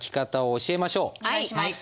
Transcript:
お願いします。